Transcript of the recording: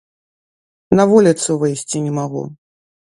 На вуліцу выйсці не магу.